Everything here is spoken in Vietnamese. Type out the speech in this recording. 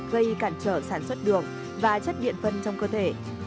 gây cản trở sản xuất đường và chất điện phân trong cơ thể